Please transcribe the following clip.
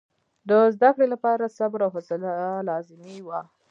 د زده کړې لپاره صبر او حوصله لازمي وه.